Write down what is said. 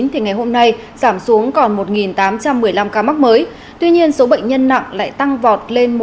thì ngày hôm nay giảm xuống còn một tám trăm một mươi năm ca mắc mới tuy nhiên số bệnh nhân nặng lại tăng vọt lên một mươi